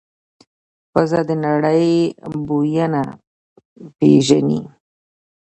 پزه د نړۍ بویونه پېژني.